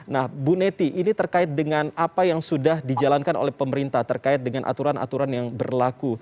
nah bu neti ini terkait dengan apa yang sudah dijalankan oleh pemerintah terkait dengan aturan aturan yang berlaku